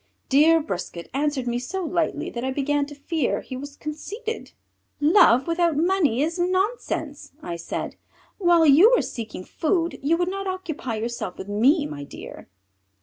Dear Brisquet answered me so lightly that I began to fear he was conceited. "Love without money is nonsense," I said. "While you were seeking food you would not occupy yourself with me, my dear."